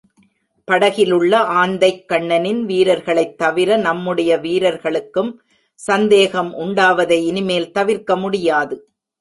படகிலுள்ள ஆந்தைக்கண்ணனின் வீரர்களைத் தவிர நம்முடைய வீரர்களுக்கும் சந்தேகம் உண்டாவதை இனிமேல் தவிர்க்க முடியாது.